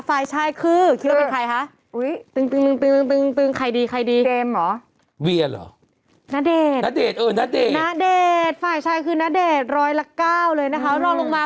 ฝ่ายชายคือคิดว่าเป็นใครคะ